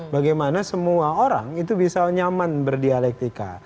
bagaimana semua orang itu bisa nyaman berdialektika